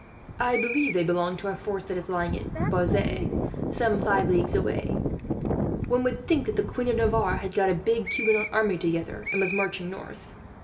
I believe they belong to a force that is lying at Bazas, some five leagues away. One would think that the Queen of Navarre had got a big Huguenot army together, and was marching north."